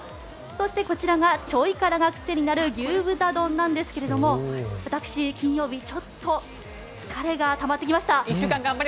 そして、ちょい辛が癖になる牛豚丼なんですが私、金曜日、ちょっと疲れがたまってきました。